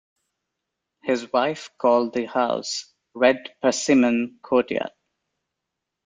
His wife called the house 'Red Persimmon Courtyard'.